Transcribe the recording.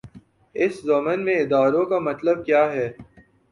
اس ضمن میں اداروں کا مطلب کیا ہے؟